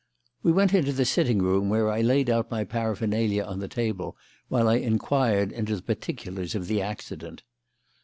We went into the sitting room, where I laid out my paraphernalia on the table while I inquired into the particulars of the accident.